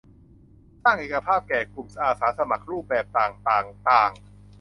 สร้างเอกภาพแก่กลุ่มอาสาสมัครรูปแบบต่างต่างต่าง